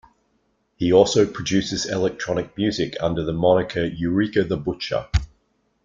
He also produces electronic music under the moniker Eureka the Butcher.